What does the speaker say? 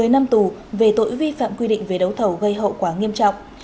một mươi năm tù về tội vi phạm quy định về đấu thầu gây hậu quả nghiêm trọng